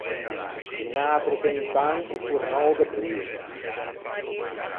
Chi non à atro che un pan, o fornâ o ghe bruxa.